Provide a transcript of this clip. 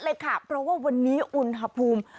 เลยค่ะเพราะว่าวันนี้อุณหภูมิ